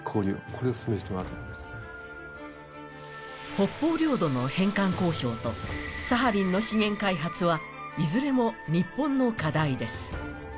北方領土の返還交渉とサハリンの資源開発はいずれも日本の課題です。